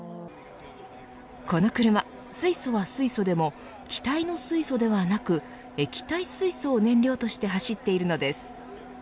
この車、水素は水素でも気体の水素ではなく液体水素を燃料として走っているのです。